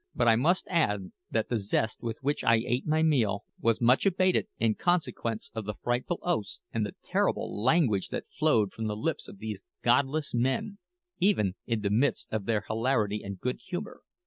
But I must add that the zest with which I ate my meal was much abated in consequence of the frightful oaths and the terrible language that flowed from the lips of these godless men, even in the midst of their hilarity and good humour.